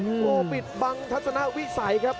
โอ้โหปิดบังทัศนวิสัยครับ